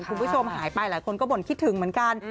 คุณผู้ชมหายไปหลายคนก็บ่นคิดถึงเหมือนกัน